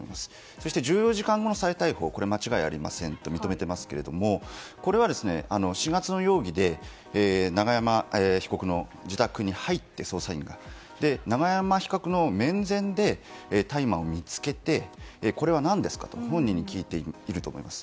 そして１４時間後の再逮捕間違いありませんと認めていますがこれは４月の容疑で永山被告の自宅に捜査員が入って永山被告の面前で大麻を見つけてこれは何ですかと本人に聞いていると思います。